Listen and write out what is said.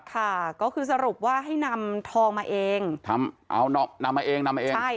ค่ะก็คือสรุปว่าให้นำทองมาเองทำเอานำมาเองนำมาเองใช่